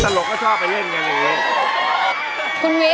สลบก็ชอบไปเล่นอย่างงี้